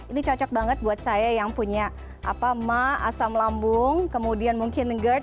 ini cocok banget buat saya yang punya ma asam lambung kemudian mungkin gerd